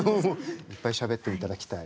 いっぱいしゃべっていただきたい。